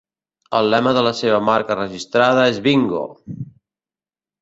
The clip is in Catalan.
El lema de la seva marca registrada és Bingo!